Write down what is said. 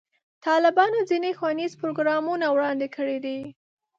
طالبانو ځینې ښوونیز پروګرامونه وړاندې کړي دي.